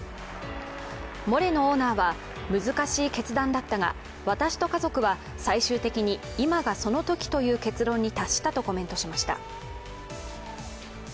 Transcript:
モレノオーナーは難しい決断だったが、私と家族は最終的に今がそのときという結論に達したとコメントしました。